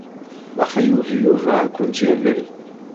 Maɣef ay yugi Yuba ad kent-yalel?